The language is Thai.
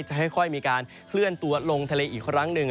จะค่อยมีการเคลื่อนตัวลงทะเลอีกครั้งหนึ่ง